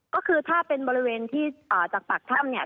ก็คือถ้าเป็นบริเวณที่ต่อจากปากถ้ำ